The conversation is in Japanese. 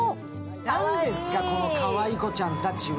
何ですか、このかわいこちゃんたちは？